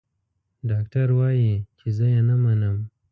ډاکټر وايي چې زه يې نه منم.